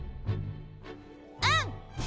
うん！